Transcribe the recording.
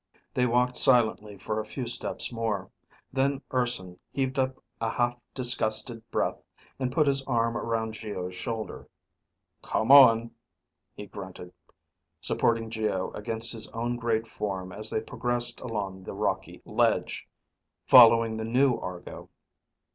They walked silently for a few steps more. Then Urson heaved up a half disgusted breath, and put his arm around Geo's shoulder. "Come on," he grunted, supporting Geo against his own great form as they progressed along the rocky ledge, following the new Argo.